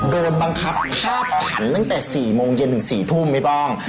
โดนบังคับคาบขันตั้งแต่๔โมงเย็นถึง๔ทุ่มไม่ต้อง